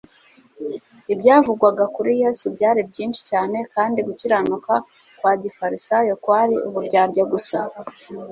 Ibyavugwaga kuri Yesu byari byinshi cyane, kandi gukiranuka kwa gifarisayo kwari uburyarya gusa!